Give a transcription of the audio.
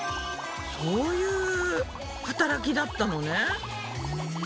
そういう働きだったのね。